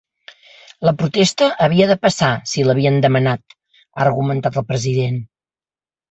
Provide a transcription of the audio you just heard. La protesta havia de passar, si l’havien demanat, ha argumentat el president.